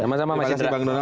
sama sama mas yasir bangdun